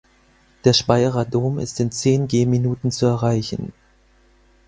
Der Speyerer Dom ist in zehn Gehminuten zu erreichen.